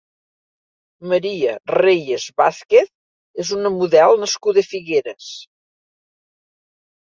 María Reyes Vázquez és una model nascuda a Figueres.